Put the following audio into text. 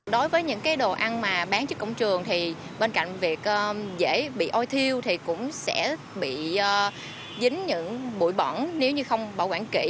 đối với những cái đồ ăn mà bán trước cổng trường thì bên cạnh việc dễ bị ôi thiêu thì cũng sẽ bị dính những bụi bỏng nếu như không bảo quản kỹ